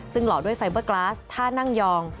ซึ่งหล่อด้วยไฟเบอร์กลาสท่านั่งยอง